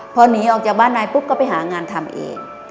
พอหนีออกจากบ้านนายปุ๊บก็ไปหางานทำเอง